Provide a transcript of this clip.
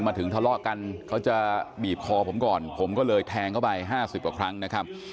มาถึงทะเลาะกันเขาจะบีบคอผมก่อนผมก็เลยแทงเข้าไปห้าสิบกว่าครั้งนะครับ